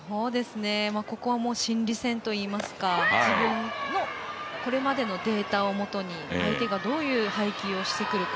ここは心理戦といいますか自分のこれまでのデータをもとに相手がどういう配球をしてくるか。